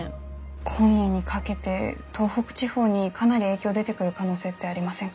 今夜にかけて東北地方にかなり影響出てくる可能性ってありませんか？